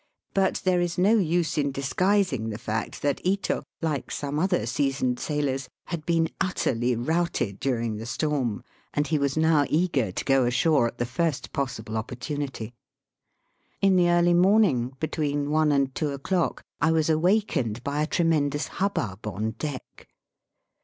But there is no use in dis guising the fact that Ito, like some other sea soned sailors, had been utterly routed during the storm, and he was now eager to go ashore at the first possible opportunity. In the early morning, between one and two o'clock, I was awakened by a tremendous hubbub on deck.